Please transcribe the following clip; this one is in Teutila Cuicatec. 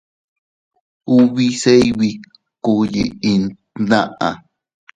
Ubi se bikkúu yiʼin tnaʼa.